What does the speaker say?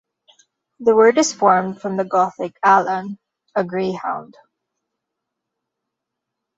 The word is formed from the Gothic "Alan", a greyhound.